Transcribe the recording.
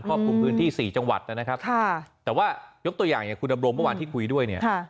รอบคุมพื้นที่๔จังหวัดนะครับแต่ว่ายกตัวอย่างอย่างคุณดำรงเมื่อวานที่คุยด้วยเนี่ย